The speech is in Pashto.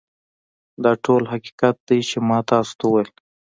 دا ټول حقیقت دی چې ما تاسو ته وویل